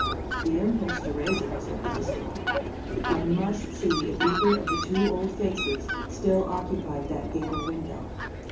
The impulse to raise it was irresistible. I must see if either of the two old faces still occupied that gable window.